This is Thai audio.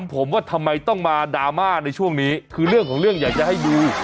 ผมว่าทำไมต้องมาดราม่าในช่วงนี้คือเรื่องของเรื่องอยากจะให้ดู